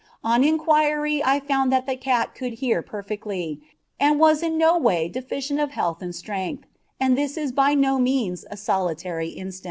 On inquiry I found that the cat could hear perfectly, and was in no way deficient of health and strength; and this is by no means a solitary instance.